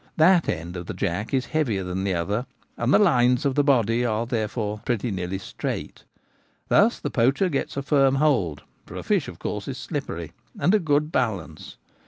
That end of the jack is heavier than the other, and the ' lines ' of the body are there nearly straight. Thus the poacher gets a firm hold — for a fish, of course, is slippery — and a good balance.